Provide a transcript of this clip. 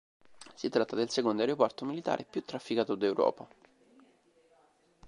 Si tratta del secondo aeroporto militare più trafficato d'Europa.